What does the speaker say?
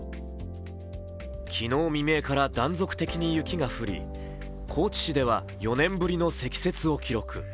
昨日未明から断続的に雪が降り高知市では４年ぶりの積雪を記録。